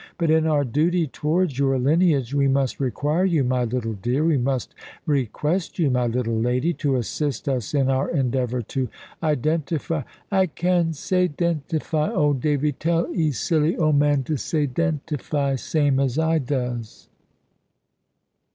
But in our duty towards your lineage, we must require you, my little dear we must request you, my little lady to assist us in our endeavour to identify " "I can say 'dentify,' old Davy; tell 'e silly old man to say 'dentify' same as I does."